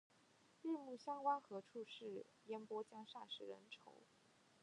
日暮乡关何处是？烟波江上使人愁。